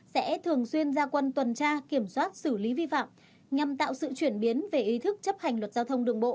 sẽ thường xuyên ra quân tuần tra kiểm soát xử lý vi phạm nhằm tạo sự chuyển biến về ý thức chấp hành luật giao thông đường bộ